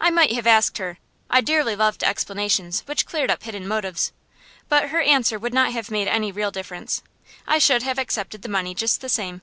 I might have asked her I dearly loved explanations, which cleared up hidden motives but her answer would not have made any real difference. I should have accepted the money just the same.